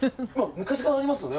昔からありますよね？